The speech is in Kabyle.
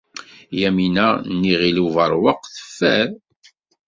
Yamina n Yiɣil Ubeṛwaq teffer.